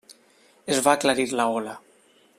Es va aclarir la gola.